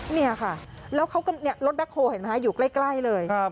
เนี่ยค่ะแล้วเขาก็รถแบ็คโฮลเห็นไหมคะอยู่ใกล้เลย